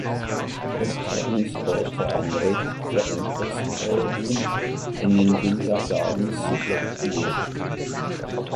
Austragungsort war erneut der Empress Ballroom in den Winter Gardens zu Blackpool.